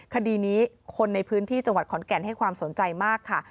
คดีนี้คนในพื้นที่จังหวัดขอนแก่นให้ความสนใจมากค่ะ